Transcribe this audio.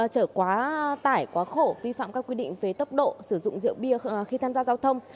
trở quá tải quá khổ vi phạm các quy định về tốc độ sử dụng rượu bia khi tham gia giao thông